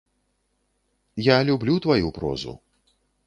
Я люблю тваю прозу.